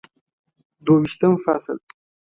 دوه ویشتم فصل